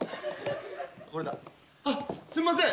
これだあっすいません。